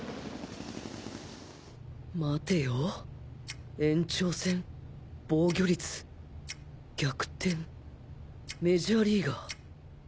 待てよ延長戦防御率逆転メジャーリーガー